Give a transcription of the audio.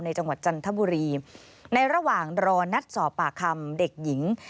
จังหวัดจันทบุรีในระหว่างรอนัดสอบปากคำเด็กหญิง